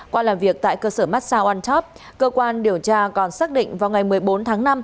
qua làm việc tại cơ sở massaguntop cơ quan điều tra còn xác định vào ngày một mươi bốn tháng năm